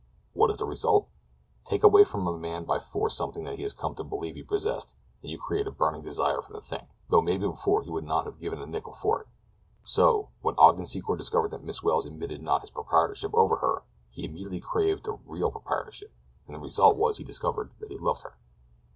What is the result? Take away from a man by force something that he has come to believe he possessed, and you create a burning desire for the thing—though maybe before he would not have given a nickel for it. So, when Ogden Secor discovered that Miss Welles admitted not his proprietorship over her, he immediately craved a real proprietorship, and the result was he discovered that he loved her.